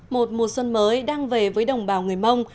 một mùa xuân mới đang về với đồng bào người mông